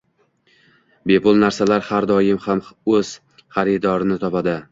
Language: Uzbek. Bepul narsa har doim o’z xaridorini topadi